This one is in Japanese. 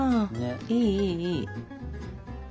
いいいいいい。